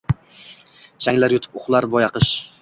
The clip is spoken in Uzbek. Changlar yutib uxlar boyaqish